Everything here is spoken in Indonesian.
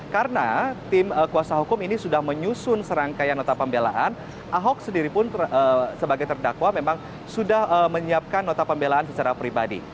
karena tim kuasa hukum ini sudah menyusun serangkaian nota pembelaan ahok sendiri pun sebagai terdakwa memang sudah menyiapkan nota pembelaan secara pribadi